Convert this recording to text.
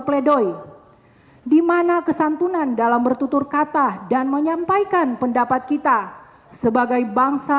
pledoi dimana kesantunan dalam bertutur kata dan menyampaikan pendapat kita sebagai bangsa